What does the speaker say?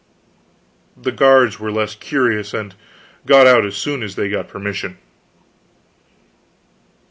The guards were less curious, and got out as soon as they got permission.